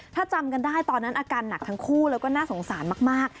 ถ้าจำกันได้ตอนนั้นอาการหนักทั้งคู่แล้วก็น่าสงสารมาก